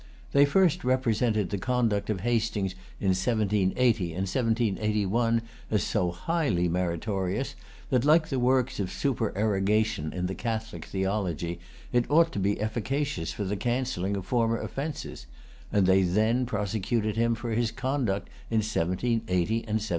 They first represented the conduct of Hastings in 1780 and 1781 as so highly meritorious that, like works of supererogation in the Catholic theology, it ought to be efficacious for the cancelling of former offences; and they then prosecuted him for his conduct in 1780 and 1781.